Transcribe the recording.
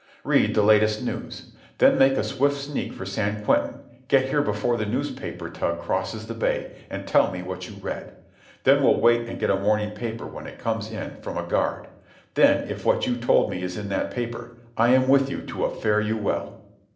Read the latest news. Then make a swift sneak for San Quentin, get here before the newspaper tug crosses the bay, and tell me what you read. Then we'll wait and get a morning paper, when it comes in, from a guard. Then, if what you told me is in that paper, I am with you to a fare you well."